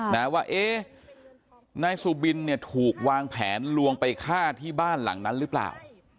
นะว่าเอ๊ะนายสุบินเนี่ยถูกวางแผนลวงไปฆ่าที่บ้านหลังนั้นหรือเปล่า